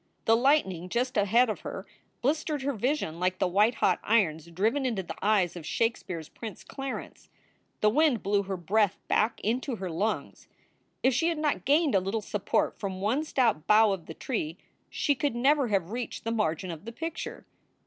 The lightning just ahead of her blistered her vision like the white hot irons driven into the eyes of Shakespeare s Prince Clarence. The wind blew her breath back into her lungs. If she had not gained a little support from one stout bough of the tree she could never have reached the margin of the picture.